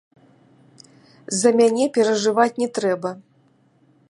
За мяне перажываць не трэба.